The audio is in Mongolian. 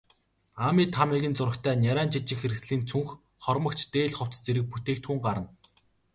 Аами, Таамигийн зурагтай нярайн жижиг хэрэгслийн цүнх, хормогч, дээл, хувцас зэрэг бүтээгдэхүүн гарна.